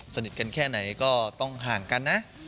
สนิทกันแค่ไหนก็ต้องห่างกันนะ